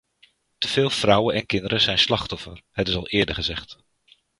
Te veel vrouwen en kinderen zijn slachtoffer, het is al eerder gezegd.